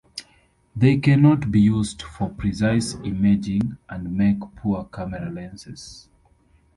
They cannot be used for precise imaging and make poor camera lenses.